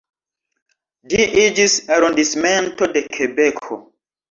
Ĝi iĝis arondismento de Kebeko.